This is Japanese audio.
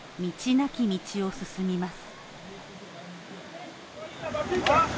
なき道を進みます。